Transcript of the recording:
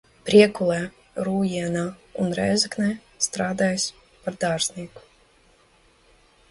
Priekulē, Rūjienā un Rēzeknē strādājis par dārznieku.